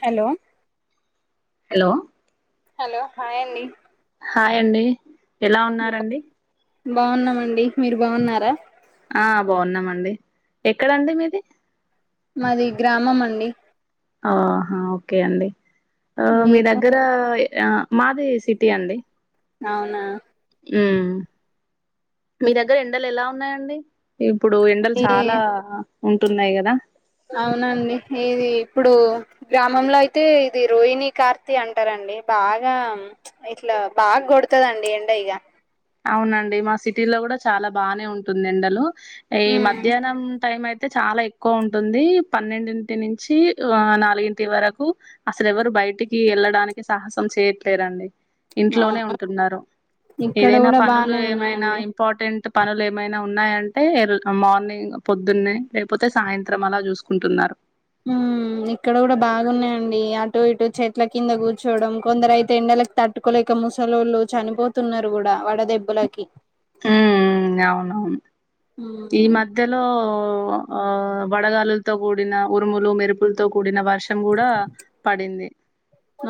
Hello hello hello హాయ్ండి హాయండి ఎలా ఉన్నారండి బాగున్నామండి మీరు బాగున్నారా ఆ బాగున్నామండి ఎక్కడండి మీది మాది గ్రామం అండి ఆహా ఓకే అండి ఆ మీ మీరు దగ్గర ఆ మాది సిటీ అండి అవునా హ్మ్ మీ దగ్గర ఎండలు ఎలా ఉన్నాయండి ఇప్పుడు ఎండలు ఏ చాలా ఉంటున్నాయి కదా అవునండి ఇది ఇప్పుడు గ్రామంలో అయితే ఇది రోహిణీ కార్తిీ అంటారండి బాగా ఇట్లా బాగా కొడుతా అండి ఎండ ఇగ అవునండి మా సిటీలో కూడా చాలా బానే ఉంటుంది ఎండలు ఈ మధ్యాహ్నం టైమ్ అయి అయితే చాలా ఎక్కువ ఉంటుంది పన్నెండింటి నుంచి ఆ నాలుగింటి వరకు అసలు ఎవరు బయటికి వెళ్ళడానికి సాహసం చేయట్లేదండి ఆ ఇంట్లోనే ఉంటున్నారు ఇక్కడ ఏదైనా కూడా పనులు బానే ఏమైనా ఉన్నాయండి ఇంపార్టెంట్ పనులు ఏమైనా ఉన్నాయంటే మార్నింగ్ పొద్దున్నే లేకపోతే సాయంత్రం అలా చూసుకుంటున్నారు హ్మ్ ఇక్కడ కూడా బాగున్నాయండి అటు ఇటు చెట్ల కింద కూర్చోడం కొందరు అయితే ఎండలకి తట్టుకోలేక ముసలోళ్ళు చనిపోతున్నారు కూడా వడదెబ్బలకి అవునువును ఈ ఉమ్ మధ్యలో వడగాలులతో కూడిన ఉరుములు మెరుపులతో కూడిన వర్ష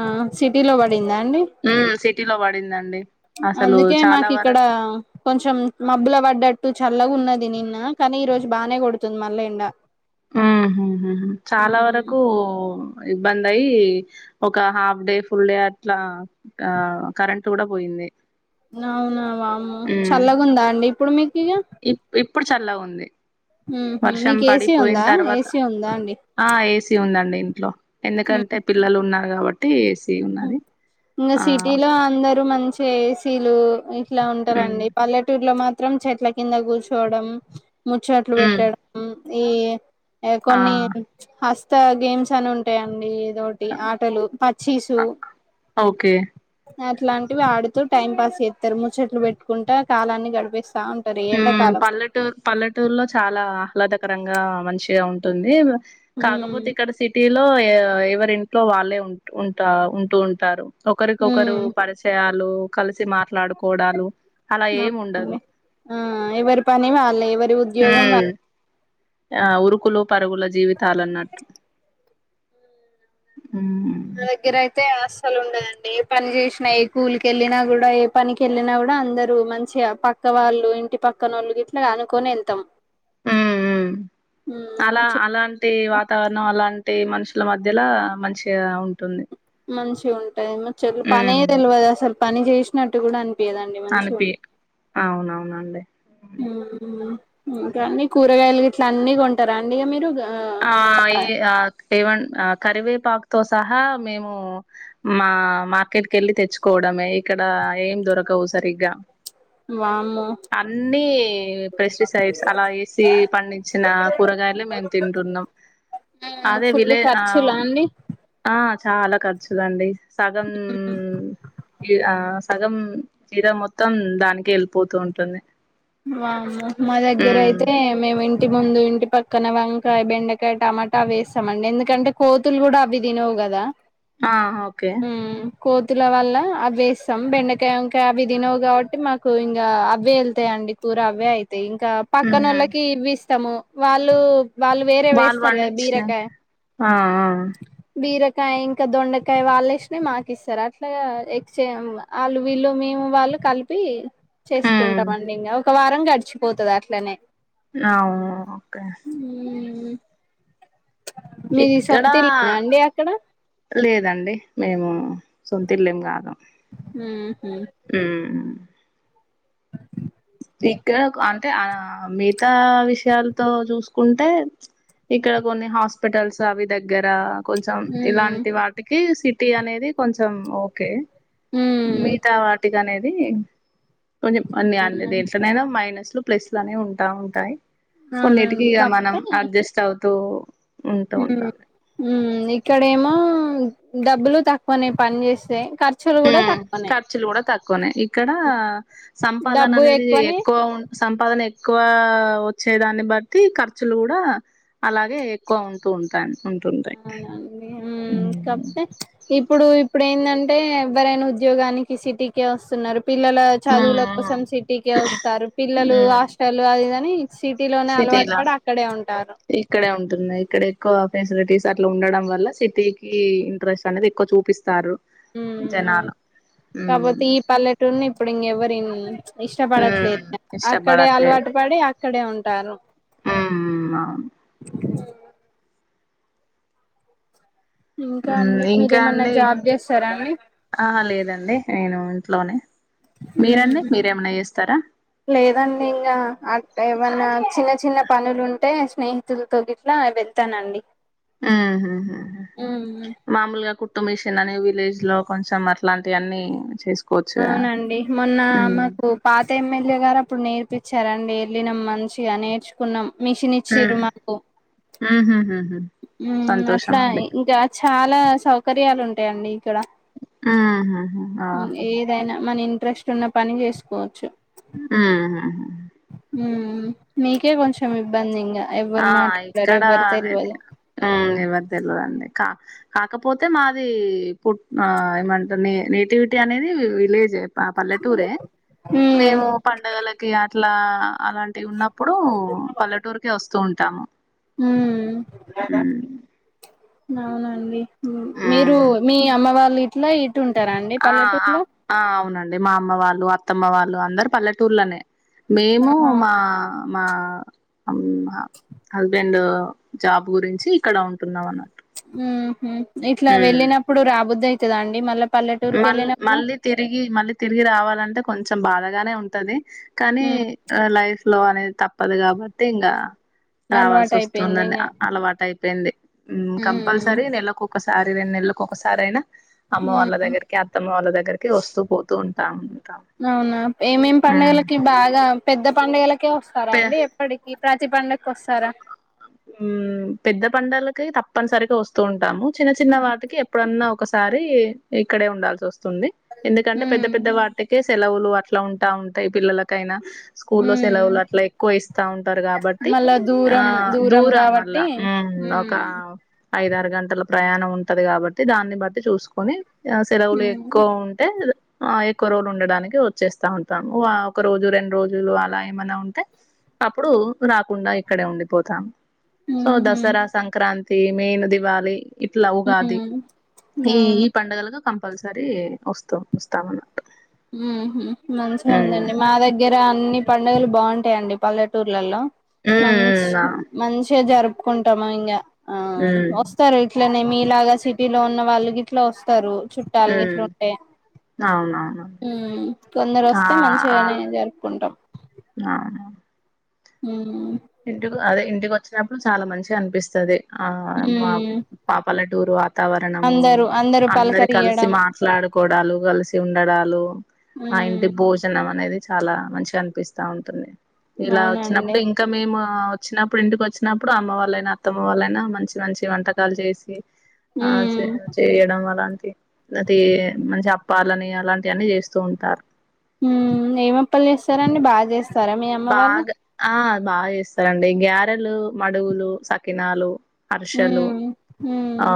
ఆ సిటీ లో పడిందా అండి హ్మ్ సి సిటీ లో పడిందండి అసలు అందుకే చాలా మాకు వర ఇక్కడ కొంచెం మబ్బులు పడ్డ టు చల్లగా ఉన్నది నిన్న కానీ ఈ రోజు బానే కొడుతుంది మల్ల ఎండ ఉమ్మా ఉహుం చాలా వరకు ఉమ్ ఇబ్బంది అయి ఒక హాఫ్ డే ఫుల్ డే అట్లా ఆ కరం కూడా పోయింది అవునవు చల్లగాందా అండి ఇప్పుడు మీకు ఇ ఇ ఇప్పుడు చల్లా ఉంది ఉహుం వర్షం మీకు ఏసీ పడిపోయిన ఉందా తర్వాత ఏసీ ఉందా అండి ఆ ఏసీ ఉందండి ఇంట్లో ఎందుకంటే పిల్లలు ఉన్నారు కాబట్టి ఉన్నది ఇంకా ఆ సిటీలో అందరు మంచి ఏసీలు ఇట్లా ఉమ్ ఉంటారంండి పల్లెటూరులో మాత్రం చిత్రం చెట్ల కింద కూర్చోడం ముచ్చోట్లు ఉమ్ పెట్టా డం ఏ ఏ ఆ కొన్ని గేమ్స్ అని ఉంటాయండి టి ఆటలు పచ్చి అ ఓకే అట్లాంటివి ఆడుతూ టైం పాస్ చేస్తారు ముచ్చట్లు పెట్టుకుంటా కాలాన్ని గడిపేస్తారు ఉమ్ పల్లెటూరు పల్లెటూరులో చాలా ఆహ్లాద కరంగా మనించిగా ఉంటుంది ఉమ్ కాకపోతే ఇక్కడ సిటీ ఇట్లో ఎవరి ఇంట్లో వాళ్ళే ఉ ఉంటా ఉంటూ ఉంటారు ఒకరికొకరు ఉమ్ పరిచయ హలో కలిసి మాట్లాడుకోవడాలు అలా ఏమి ఉండదు అవునండి ఆ ఇవరి పని వాాల ఇవరి మ్ ఆ ఉరుకు లో పరుగుల జీవితాలు అన్నట్టు వాళ్ళ దగ్గర అయితే అస్సలు ఉండదండి ఏ పని చేసినా ఏ కూలి కెళ్ళినా కూడా ఏ పని కెళ్ళినా కూడా అందరూ మంచిగా పక్క వాళ్ళు ఇంటి పక్కనోళ్ళు ఇట్లా అనుకొని వెళ్తాం మ్ మ్ హ్మ్ అలా ముచ్చట్లు అలాంటి వాతావరణం అలాంటి టే మనుషుల మధ్యల మంచిగా ఉంటుంది మంచి ఉం టయి ముచ్చట్లు ఉమ్ పనేదెల్వదు అసలు పని జేసినట్టు కూడా అన్ అనిపి అవునవునండి హ్మ్ ఇంకా అన్ని కూరగాయలు గిట్లా అన్ని కొంటార అండి ఇగ మీరు ఆ ఈ ఆక్ ఎవన్ కరివేపాకు తో సహా మేము మా మార్కెట్ కి కెళ్ళి తెచ్చుకోవడమే ఇక్కడ ఏం దొరకవు సరిగ్గా వామ్మో అన్ని పెస్టిసైడ్స్ అలా వేసి పండించిన కూరగాయలు మేమ్ తింటున్నాం హ్మ్ అదే ఫుల్ విలే ఆ ఖర్చులా అండి ఆ చాలా ఖర్చుదండి సగం ఈ అ సగం చీర మొత్తం దానికే వెళ్ళిపోతూ ఉంటుంది వామ్మో మా దగ్గర ఉమ్ అయితే మేమిం ఇంటి ముందు ఇంటి పక్కన వంకాయ్ బెండకాయ్ టమాటా వేసామండి ఎందుకంటే కోతులు గూడా అవి తినవు గదా ఆహ ఓకే కోతుల వల్ల అవ్వేస్తాం బెండకాయ్ వంకాయ్ అవి తినవు కగాబట్టి మాకు ఇంగా అవ్వే వెళ్తాయండి తూ రవ్యే తి ఇంకా పక్కన ఉమ్ నోళ్ళకి వీస్ తము వాళ్ళు వాళ్ళు వేరే వాళ్ళు వేస్తారు కదా పండించిన బీరకాయ్ ఆ ఆ బీరక్ కాయ్ ఇంకా దొండకాయ్ వాళ్ళు వేషినాయ్ మాకిస్తరు అట్లా ఎక్స్చేం ఆళ్ళు వీళ్ళు మేము వాళ్ళు కలిపి ఉమ్ చేసుకుంటమండి ఇంగా ఒక వారం గడిచిపోతది అట్లనే ఆ ఓకే మీది ఇక్కడా సొంత ఇల్లేనా అండి అక్కడ లేదండి మేము సొంత ఇల్లెం కా ద ఉహూమ్ ఇక్కడ అంటే ఆ మిగతా విషయాలతో చూసుకుంటే ఇక్కడ కొన్ని హాస్పిటల్స్ అవి దగ్గర కొంచెం ఇలాంటి వాటికి సి టీ అనేది కొంచెం ఓకే ఉమ్ మీత వాటి అనేది కొన్న్ని అది అవునండి ఎలా అయినా ఏనే మైనస్లు ప్లేస్ నే ఉంటా ఉంటాయి కొన్నిటికి అవునండి ఇక మనం కాకపోతే అడ్జస్ట్ అవు తో ఉంటా ఉమ్ ఉంటాంది ఉమ్ ఇక్కడేమో డబ్బులు తక్కువనే పని చేస్తాయి్ కచోలు కూడాడ తకునే క్కనే ఇక్కడ సంపాదన డబ్బు అనేది ఎక్కువనే ఎక్కువ ఉ సంపాదన ఎక్కువ వచ్చే దాన్ని బట్టి ఖర్చులు కూడా అలాగే ఎక్కువ ఉంటూ ఉంటా అవునండి మ్ హ్మ్ కాకపోతే ఇప్పుడు ఇప్పుడు ఏంటంటే అంటే ఎవరైనా ఉద్యోగానికి సిటీకే వస్తున్నారు పిల్లల చదువుల కోసం హ్మ్ సిటీక వస్తారు పిల్లలు హాస్టల్ అది అ సిటీ లోనే అలవాటు సిటీలా ప అక్కడే ఉంటారు ఇక్కడే ఉంటున్నాయి ఇక్కడ ఎక్కువ ఫెసిలిటీస్ అట్లా ఉండడం వల్ల సిటీ క ఇంట్రెస్ట్ అనేది ఎక్కువ చూపిస్తారు మ్ వు జనాలు హ్మ్ కాపోతే ఈ పల్లెటూని ఇప్పుడు ఇంకెవరి హ్మ్ ఇష్టపడట్లేదు అక్కడే ఇష్టపడట్లేదు అలవాటు పడి అ ఇక్కడే ఉంటారు హ్మ్ అవును ఇంకా హ్మ్ అండి ఇంకా మీరేమన్నా అండి జాబ్ చేస్తారా అండి ఆహా లేదండి నేను ఇంట్లోనే మీరండి మ్ మీరేమైనా చేస్తారా లేదండి ఇంకా అ ఏమన్నా చిన్న చిన్న పనులు ఉంటే స్నేహితులతో గట్లా వెళ్తానండి ఆ ఆహాహాహా మాముూలుగా కు మిషన్ అని విలేజ్ లో కొంచెం అట్లాంటి అన్నీ చే అవునండి మొన్న మాకు పాత ఏమ్మ పిల్లగారు అప్పుడు నేర్పించారండి వెళ్ళినాం మంచిగా నేర్చుకున్నాం మిషన్ ఇచ్చిర్రు ఉమ్ ఊ ఉహుం ఉ అట్లా ఇంకా చాలా సౌకర్యాలు ఉంటాయండి డ ఊహుహు ఏదైనా మన ఇంట్రెస్ట్ ఉన్న పని చేసుకోవచ్చు హుమ్మ్ హుమ్మ్ మీకే కొంచెం ఇబ్బందింగా ఆ ఇక్కడ అనేది హుమ్మ్ ఎవరి తెలిదండి కా కాకపోతే మాది పుట్ ఆహ్ ఏమంట నే నేటివిటీ అనేది విలేజే పా పల్లెటూరే మ్మ్ మేము పండుగలకి ఇట్లా అలాంటివి ఉన్నప్పుడు పల్లెటూరుకి ఒస్తు వస్తూ ఉంటాము హుమ్మ్ ఉమ్ అవునండి మీరు ఉమ్ మీ అమ్మ వాళ్లు నై చట్టుంటారా అండి పల్లెటూరులో అండి మా అమ్మ వాళ్ళు అత్తమ్మ వాళ్ళు అందరు పల్లెటూర్లోనే మేము ఆహా మా మా హుమ్మ్ అ హస్బెండ్ జాబ్ గురించి ఇక్కడ ఉంటున్నాం అన హుమ్మ్ హుమ్మ్ ఇట్లా వెళ్ళినప్పుడు రాబుద్దు అయి తది అండి మళ్ళ మల్ మళ్ళీ తిరిగి మళ్ళీ తిరిగి రావాలంటే కొంచెం బాధగానే ఉంటది కానీ మ్మ్ ఆహ్ లైఫ్ లో అనేది తప్పు తప్పదు కాబట్టి ఇంగా అలవాటు రావాల్సిఒస్తుంది అయిపోయింది అండి ఇంగ అలవాటు అయిపోయింది హుమ్మ్ మ్మ్ కంపల్సరీ నెలకుకోకా ఒకసారి రెన్నెళ్లకి ఒకసారి అయినా మ్మ్ అమ్మవాళ్లద్గ అత్తమ్మ వాళ్ళ దగ్గరకి వస్తూ పోతూ ఉంటాము. అవునా ఏమేం పండగలకి బాగా పెద్ద పండుగలకి వ స్తారా పే అండి ఎప్పటికీ ప్రాతి పండ పెద్ద పండలకి తప్ప తప్పనిసరిగా వస్తూ ఉంటాము చిన్న చిన్న వాటికి ఎప్పుడన్నా ఒకసారి ఇక్కడే ఉండాల్సి వస్తు వస్తుంది ఎందుకంటే పెద్ద మ్మ్ పెద్ద వాటికి ే సెలవులు అట్లా ఉంటా ఉంటాయి పిల్లలకైనా స్కూల్లో ఉమ్ సెలవులు అట్లా ఎక్కువ ఇస్తా ఉంటారు కాబట్టి మళ్ళా ఆ దూరం దూరం మళ్ల్ళా కాబట్టి ఉమ్ ఒక కా ఐదారు గంటల ప్రయాణం ఉంటది కాబట్టి దాన్ని బట్టి చూసుకొని సెలవులు ఉమ్ ఎక్కువ ఉంటే ఆ ఎక్కువ రోజులు ఉండడానికి వచ్చేస్తా ఉంటాము ఒక రోజు రెండు రోజులు అలా ఏమైన్నా ఉంటే అప్పుడు రాకుండా అక్కడే ఉండిపోతాం సో ఉహు దసరా సంక్రాంతి ఎమి ఎమి తేవాలి ఇట్లా ఉగాది ఉమ్ ఈ ఈ అవును పండుగలుగా కం కంపల్సరీ వస్తాం వస్తామన్న ఉహుమ్ మంచిగా ఉమ్ ఉందండి మా దగ్గర ఇడ అన్ని పండుగలు బాగుంటాయిండి పల్లెటూర్లలో ఉమ్ మంచి ఉమ్ ఆ, మంచిగా జరుపు ఒప్పుకుంటామ ఇంకా ఆ ఉమ్, వస్తార ఇట్లనే మీలాగా సిటీ లో ఉన్న వాళ్ళకి ఇట్లా వస్తారు చుట్టాలని ఉమ్. ఇట్లుంటే అవునవును ఉమ్ కొందరు ఆ వస్తే ఆ మంచిగానే జరుపుకుంటాం హమ్ ఇంటి అదే ఇంటి కొ వచ్చినప్పుడు చాలా మంచిగా అనిపిస్తుంది ఆ మా ఉమ్ పాపాల దూరు ఆ వాతావరణము అందరూ అందరూ అందరు కలిసి పలకరియ్యడం మాట్లాడుకోడాలు కలిసి తిండడాలు ఆ ఉమ్ ఇంటి భోజనం అనేది చాలా మంచిగా అనిపిస్తా ఉంటుంది ఇలా అవునండి వచ్చినప్పుడు ఇం మేము వచ్చినప్పుడు ఇంటికి వచ్చినప్పుడు అమ్మ వాళ్ళయినా అత్తమ్మ వాళ్ళయినా మంచి మంచి వంటకాలు చేసి ఆ ఉమ్ చేయ చేయడం అలాంటి అది మంచి అప్పాలని అలాంటి అన్ని చేస్తూ ఉంటారు ఏమప్పలు చేస్తారండి బాగా చేస్త బాగా ఆ బాగా చేస్తారండి గ్యారెలు మడుగులు సకినాలు అర్షలు ఉమ్ ఉమ్ ఆ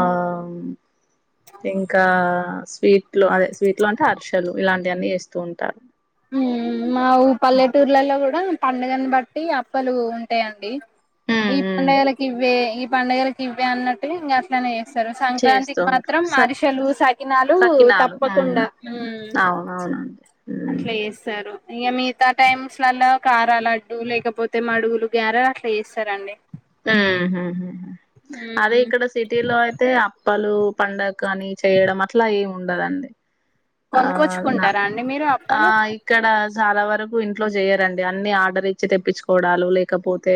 ఇంకా స్వీట్ లో అదే స్వీట్ లో అంటే అరిశలు ఇలాంట్ టని చేేస్తూ ఉంటారు ఉమ్ మా ఊ పల్లెటూర్లలో కూడా పండుగను బట్టి అప్పలు ఉంటాయండి ఉమ్ ఈ ఉమ్ పండగాలకి ఇవ్వే ఇవ్ పండగలకి ఇవ్వ అన్నట్టుగా ఇంక అట్లనే చేస్త్ చేస్తూ సంక్రాంతికి ఉంటారు మాత్రం స అరిషలు సకినాలు సకినాలు ఉమ్ తప్పకుండా అవునవునండి ఉమ్ అట్లా చేస్తారు ఇంకా మిగతా టైమ్స్లలో కార లడ్డు లేకపోతే మడుగులు, గారా అట్లా చేస్తారంండి. ఉమ్ హూ హు అదే ఉమ్ ఇక్కడ సిటీ లో అయితే ప్పలు పండగ కాని చేయడం అట్లా ఏమి ఉండదండి ఆ న కొనుక్కొచ్చుకుంటారా అండి మీరు ఆ అప్పలు ఇక్కడ చాలా వరకు కు ఇంట్లో చేయరండి అన్ని ఆర్డర్ ఇచ్చి తెప్పించుకోవడాలు లేకపోతే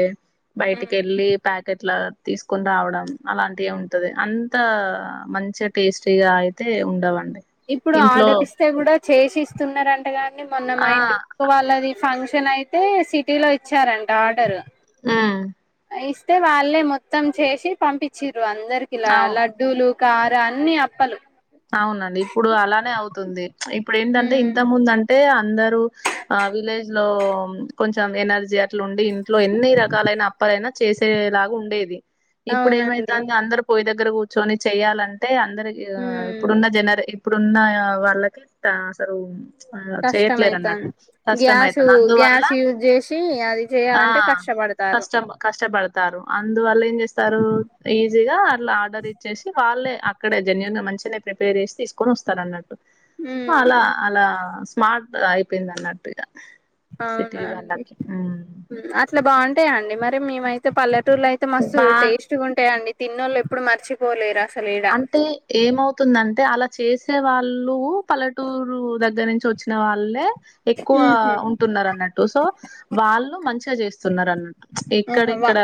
ఉమ్ బయటికి వెళ్ళి ప్యాకెట్ల తీసుకొని రావడం అలాంటివి ఉంటది అంత మంచిగా టేస్టీగా అయితే ఉండవండి ఇప్పుడు ఇంట్లో ఆర్డర్ ఇస్తే కూడా చేసి ఇస్తున్నారంటగాని మొన్న మా ఆ ఇంటిపక్క వాళ్ళది ఫంక్షన్ అయితే సిటీ లో ఇచ్చారంట ఆర్డరు ఉమ్ ఇస్తే వాళ్ళే మొత్తం చేసి పంపించింది అందరికిలా అవును లడ్డూలు కార అన్నిీ అప్పలు అవునండి ఇప్పుడు అలానే అవుతుంది ఇప్పుడు ఏంటంటే ఇంత ఉమ్ ముందు అంటే అందరు ఆ విలేజ్ లో కొంచెం ఎనర్జీ అట్లు ఇంట్లో ఎన్ని రకాలైన అప్పలైనా చేసేలాగా ఉండేది ఇప్పుడు అవునండి ఏమైతుంది అందరు పోయ దగ్గర దగ్గర కూర్చొని చేయ్యాలంటే టె అందరికిఇగ ఉమ్ ఇప్పుడున్న జనరే ఇప్పుడున్న వాళ్ళకి ఇట అసరు చేయట్లేరు అన్నట్టు కష్టమైతాంది గ్యాసు కష్టమైతది అందువల్ల గ్యాస్ యూజ్ చేసి అది ఆ చేయాలంటే కష్టపడతారు కష్టం కష్టపడతారు అందువల్ల ఏం చేస్తారు ఈజీగా అలా ఆర్డర్ ఇచ్చేసి వాళ్ళే అక్కడే జన్యూన్ మంచి నిప్ ప్రిపేర్ చేసి తీసుకొని వస్తారు అన్నట్టు అలా ఉమ్ అలా స్మార్ట్ అయిపోయింది అన్నట్టు ఇగా అవునా అండి అట్లా బాగున్ టయ అండి మరి మేమయితే పల్లె టూర్లైతే మస్తు బా టేస్టుగుంటాయండి తిన్నోళ్ళు ఎప్పుడు మరచిపోలేరా అంటే ఏమవుతుందంటే అలా చేసి వచ్చే వాళ్ళు పల్లెటూరు దగ్గర నుంచి వచ్చిన వాళ్ళే ఎక్కువ ఉహు ఉంటున్నారు అన్నట్టు సో వాళ్ళు మం చజేస్ తున్నారన్నట్టు ఇక్కడ ఆహా వా ఇక్కడ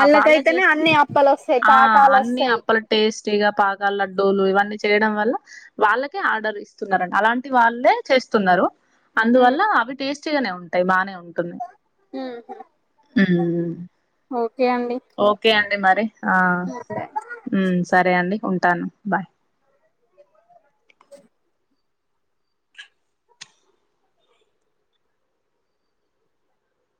ఆ వాళ్ళే చేస్ అన్ని అప్పలు వస్తాయి ఆ పాకాలు అన్ని వస్తాయి అప్పల టేస్ట్ తీగా పాక లడ్డూలు ఇవన్నీ చేయడం వల్ల వాళ్ళకే ఆర్డర్ ఇస్తున్నారన్ అలాంటి వాళ్ళే చేస్తున్నారు అందువల్ల అవి టేస్ చ్గానే ఉంటాయి బానే ఉంటున్నాయి ఊహూ ఉమ్ కే అండి మే మారే ఆ ఉ ఉమ్ సరే అండి ఉంటాను బాయ్